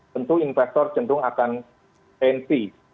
tentu investor cenderung akan handp